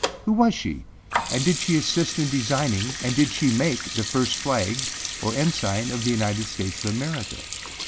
Who was she? And did she assist in designing and did she make the first flag or ensign of the United States of America?